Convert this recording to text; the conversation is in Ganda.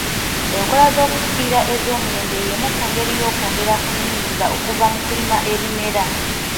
Enkola z'okufukirira ezoomulembe y'emu ku ngeri y'okwongera ku nnyingiza okuva mu kulima ebimera.